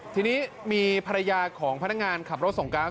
ทีนี้มีภรรยาของพนักงานขับรถส่งก๊าซ